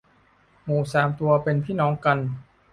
หมูสามตัว เป็นพี่น้องกัน